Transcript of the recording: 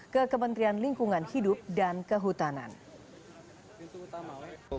ke kementerian lingkungan hidup dan kehutanan